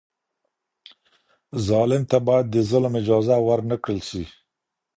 ظالم ته بايد د ظلم اجازه ورنکړل سي.